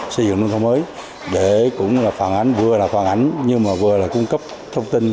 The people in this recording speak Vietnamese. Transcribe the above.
xây dựng nông thôn mới để cũng là phản ánh vừa là phản ánh nhưng mà vừa là cung cấp thông tin